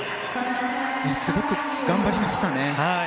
すごく頑張りましたね。